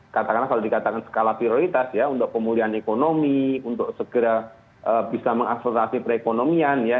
katakanlah kalau dikatakan skala prioritas ya untuk pemulihan ekonomi untuk segera bisa mengakselerasi perekonomian ya